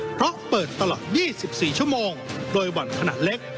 เพราะเปิดตลอดยี่สิบสี่ชั่วโมงโดยบ่อนขนาดเล็ก